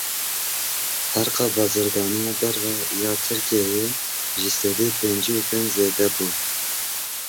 Ferqa bazirganiya derve ya Tirkiyeyê ji sedî pêncî û pênc zêde bû.